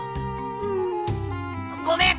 うん。ごめん！